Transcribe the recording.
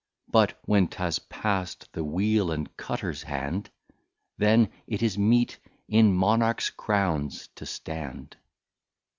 But when't has pass'd the Wheel and Cutters hand, Then it is meet in Monarchs Crowns to stand.